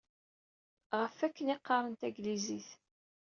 Ɣef akken i qqaren taglizit.